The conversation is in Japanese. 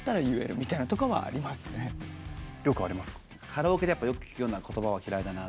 カラオケでよく聴くような言葉は嫌いだな。